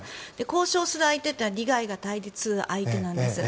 交渉する相手は利害が対立する相手なんです。